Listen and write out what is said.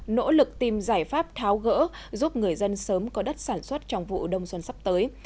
nỗ lực tìm giải pháp tháo gỡ giúp người dân sớm có đất sản xuất trong vụ đông xuân sắp tới